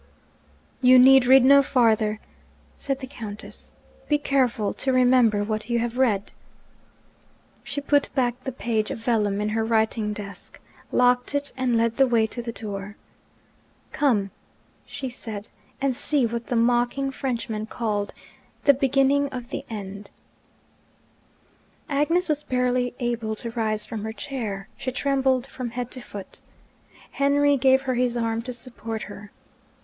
'You need read no farther,' said the Countess. 'Be careful to remember what you have read.' She put back the page of vellum in her writing desk, locked it, and led the way to the door. 'Come!' she said; 'and see what the mocking Frenchman called "The beginning of the end."' Agnes was barely able to rise from her chair; she trembled from head to foot. Henry gave her his arm to support her.